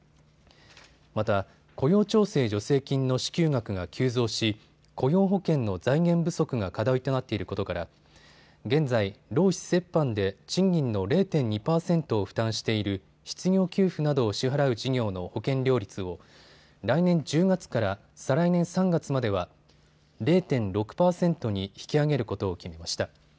また雇用調整助成金の支給額が急増し、雇用保険の財源不足が課題となっていることから現在、労使折半で賃金の０．２％を負担している失業給付などを支払う事業の保険料率を来年１０月から再来年３月までは０．６％に引き上げることを決めました。